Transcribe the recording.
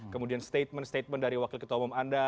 kemudian statement statement dari wakil ketua umum anda